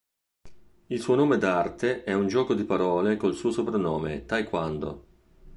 Il suo nome d'arte è un gioco di parole col suo soprannome "Ty-Quando".